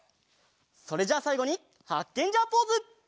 それじゃあさいごにハッケンジャーポーズ！